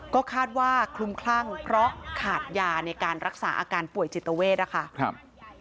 ก็คาดว่าคลุมคลั่งเพราะขาดยาในการรักษาอาการป่วยจิตเวทนะคะ